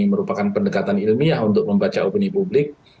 merupakan pendekatan ilmiah untuk membaca opini publik